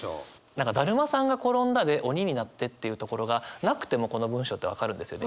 何か「だるまさんがころんだで鬼になって」っていうところがなくてもこの文章って分かるんですよね。